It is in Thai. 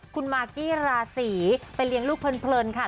คุณมากกี้ราศีไปเลี้ยงลูกเพลินค่ะ